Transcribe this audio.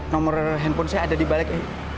nomor handphone saya ada di balik ini